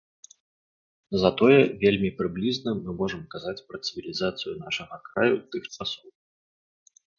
Затое вельмі прыблізна мы можам казаць пра цывілізацыю нашага краю тых часоў.